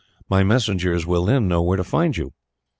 My messengers will then know where to find you."